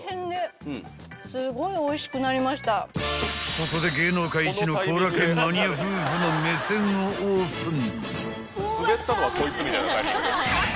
［ここで芸能界一の幸楽苑マニア夫婦の目線をオープン］